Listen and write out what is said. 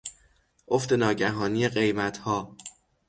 افت ناگهانی قیمتها